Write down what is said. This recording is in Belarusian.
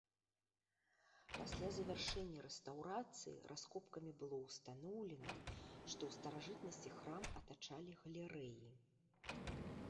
Пасля завяршэння рэстаўрацыі раскопкамі было ўстаноўлена, што ў старажытнасці храм атачалі галерэі.